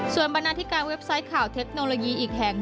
ส่วนบรรณาธิการเว็บไซต์ข่าวเทคโนโลยีอีกแห่ง